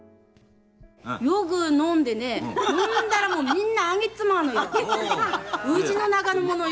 よく飲んでね、飲んだらもう、なんでもあげちまうのよ。